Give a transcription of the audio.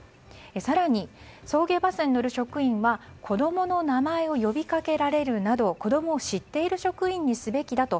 更に、送迎バスに乗る職員は子供の名前を呼びかけられるなど、子供を知っている職員にすべきだと。